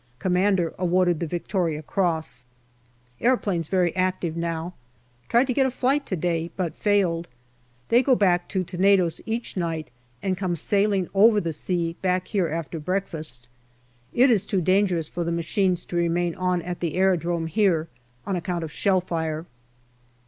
Commander awarded the V.C. Aeroplanes very active now ; tried to get a flight to day, but failed. They go back to Tenedos each night, and come sailing over the sea back here after breakfast. It is too dangerous for the machines to remain on at the aerodrome here, on account of shell fire.